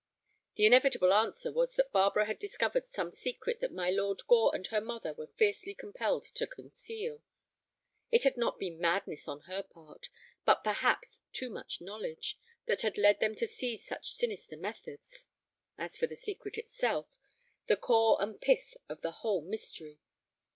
The inevitable answer was that Barbara had discovered some secret that my Lord Gore and her mother were fiercely compelled to conceal. It had not been madness on her part, but perhaps too much knowledge, that had led them to seize such sinister methods. As for the secret itself, the core and pith of the whole mystery!